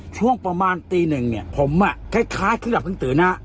ช่วงประมาณตีหนึ่งเนี้ยผมอ่ะคล้ายคล้ายคล้ายหลับถึงตื่นน่ะ